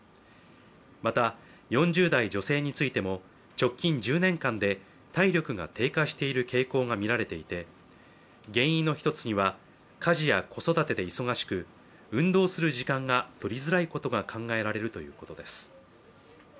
また、４０代女性についても直近１０年間で、体力が低下している傾向がみられていて原因の一つには家事や子育てで忙しく運動する時間が取りづらいことが考えられるということです。